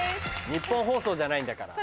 ニッポン放送じゃないんだから。